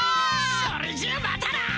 それじゃあまたな！